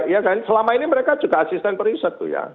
ya kan selama ini mereka juga asisten periset tuh ya